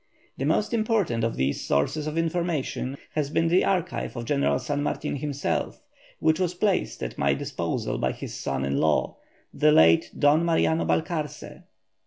The most important of these sources of information has been the archive of General San Martin himself, which was placed at my disposal by his son in law, the late Don Mariano Balcarce.